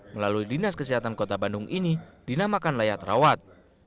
melalui dinas kesehatan kota bandung ini dinamakan layak rawat